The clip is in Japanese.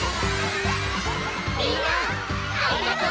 みんなありがとう！